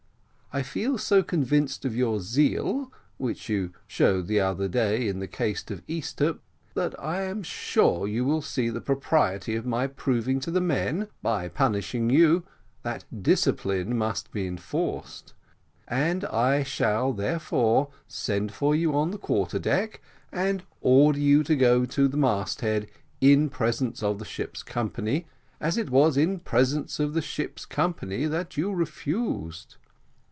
I feel so convinced of your zeal, which you showed the other day in the case of Easthupp, that I am sure you will see the propriety of my proving to the men, by punishing you, that discipline must be enforced, and I shall therefore send for you on the quarter deck, and order you to go to the mast head in presence of the ship's company, as it was in the presence of the ship's company that you refused."